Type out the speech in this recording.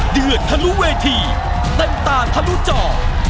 เดือดทะลุเวทีเต็มตาทะลุจอ